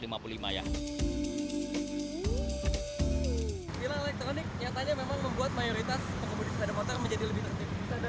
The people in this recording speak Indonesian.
tilang elektronik nyatanya memang membuat mayoritas penggembudi pesepeda motor menjadi lebih tertentu